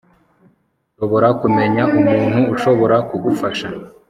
Nshobora kumenya umuntu ushobora kugufasha